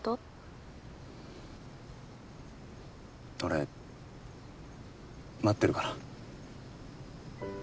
俺待ってるから。